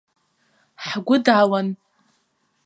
Ҳгәы далан.